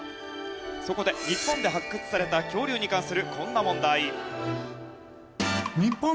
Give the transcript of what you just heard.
そこで日本で発掘された恐竜に関するこんな問題。